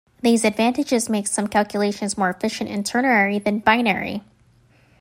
These advantages make some calculations more efficient in ternary than binary.